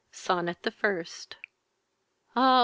SONNET THE FIRST. Ah!